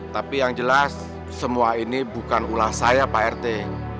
tapi yang jelas semua ini bukan ulah saya pak rt